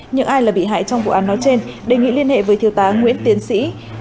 những ai bị hại trong vụ án nói trên đề nghị liên hệ với thiêu tá nguyễn tiến sĩ